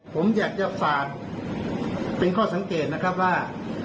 ผมอยากจะฝากเป็นข้อสังเกตนะครับว่า